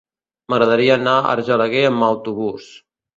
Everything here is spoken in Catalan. M'agradaria anar a Argelaguer amb autobús.